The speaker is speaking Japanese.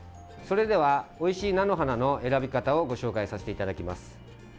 それではおいしい菜の花の選び方をご紹介させていただきます。